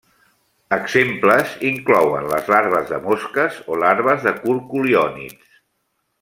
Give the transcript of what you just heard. Exemples inclouen les larves de mosques o larves de curculiònids.